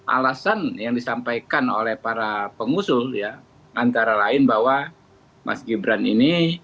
alasan yang disampaikan oleh para pengusul ya antara lain bahwa mas gibran ini